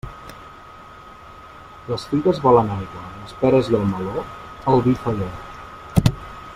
Les figues volen aigua; les peres i el meló, el vi felló.